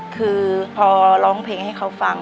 คือพอร้องเพลงให้เขาฟัง